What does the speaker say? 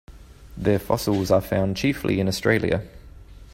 Their fossils are found chiefly in Australia.